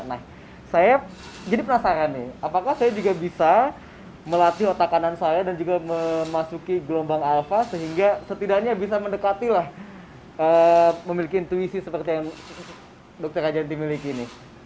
nah saya jadi penasaran nih apakah saya juga bisa melatih otak kanan saya dan juga memasuki gelombang alfa sehingga setidaknya bisa mendekatilah memiliki intuisi seperti yang dokter rajanti miliki ini